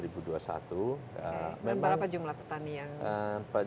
berapa jumlah petani yang